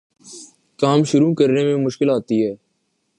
کام شروع کرے میں مشکل آتی ہے